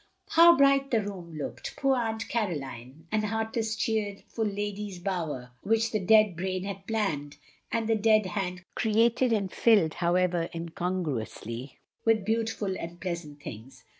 How bright the room looked! Poor Aunt Caro line! And heartless cheerful lady's bower which the dead brain had planned, and the dead hand created, and filled, however incongruously, with beautiful and pleasant things.